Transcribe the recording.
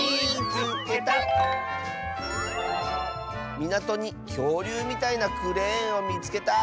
「みなとにきょうりゅうみたいなクレーンをみつけた！」。